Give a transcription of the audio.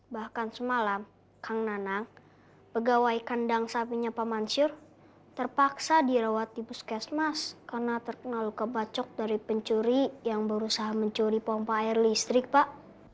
bahkan semalam kang nanang pegawai kandang sapinya pak mansyur terpaksa dirawat di puskesmas karena terkena luka bacok dari pencuri yang berusaha mencuri pompa air listrik pak